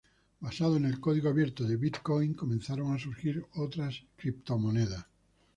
Basado en el código abierto de bitcoin, comenzaron a surgir otras criptomonedas.